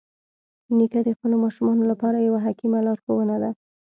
نیکه د خپلو ماشومانو لپاره یوه حکیمه لارښوونه ده.